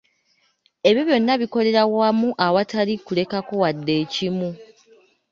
Ebyo byonna bikolera wamu awatali kulekako wadde ekimu.